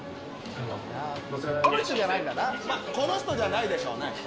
この人じゃないでしょうね。